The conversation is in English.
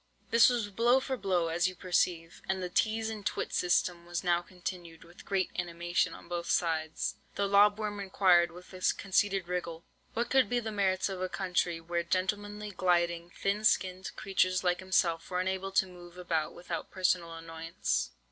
"This was blow for blow, as you perceive; and the teaze and twit system was now continued with great animation on both sides. "The lob worm inquired, with a conceited wriggle, what could be the merits of a country, where gentlemanly, gliding, thin skinned creatures like himself were unable to move about without personal annoyance?